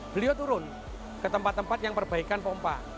beliau turun ke tempat tempat yang perbaikan pompa